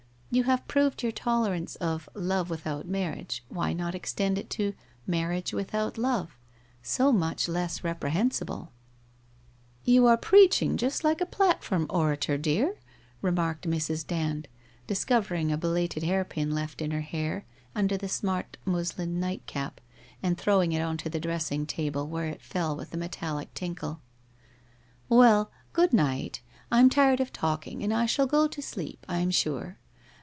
... You have proved your tolerance of Love with out Marriage, why not extend it to Marriage without Love — so much less reprehensible ?'* You are preaching just like a platform orator, dear/ remarked Mrs. Dand, discovering a belated hairpin left in her hair under the smart muslin night cap, and throwing it on to the dressing table where it fell with a metallic tinkle. WHITE ItOSE OF WEARY LEAF 85 ' Well, good night. ... I am tired of talking and I shall go to sleep, I am sure.